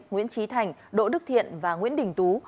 nguyễn trí thành đỗ đức thiện và nguyễn đình tú